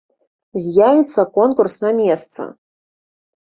З'явіцца конкурс на месца.